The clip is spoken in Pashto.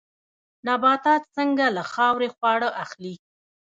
نباتات څنګه له خاورې خواړه اخلي؟